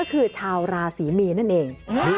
ก็คือชาวราศรีมีนนั่นเอง